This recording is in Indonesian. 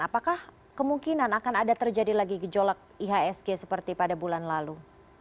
apakah kemungkinan akan ada terjadi lagi gejolak ihsg seperti pada bulan lalu